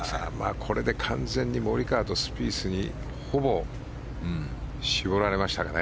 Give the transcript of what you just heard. これで完全にモリカワとスピースにほぼ絞られましたかね。